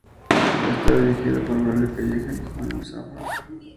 Está dirigido por Braulio Calleja y Juan M. Zafra.